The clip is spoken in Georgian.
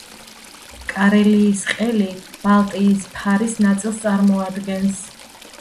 კარელიის ყელი ბალტიის ფარის ნაწილს წარმოადგენს.